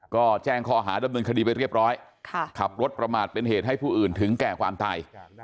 ก็แจ้งข้อหาดำเนินคดีไปเรียบร้อยขับรถประมาทเป็นเหตุให้ผู้อื่นถึงแก่ความตาย